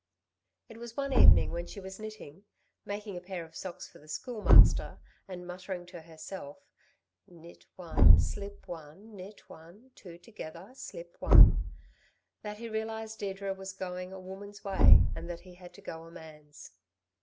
It was one evening when she was knitting making a pair of socks for the Schoolmaster and muttering to herself; "Knit one, slip one, knit one, two together, slip one," that he realised Deirdre was going a woman's way and that he had to go a man's.